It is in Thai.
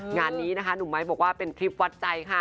งานนี้นะคะหนุ่มไม้บอกว่าเป็นคลิปวัดใจค่ะ